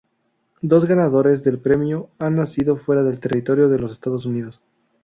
Dos ganadores del premio han nacido fuera del territorio de los Estados Unidos.